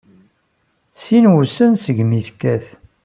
Sin wussan segmi tekkat.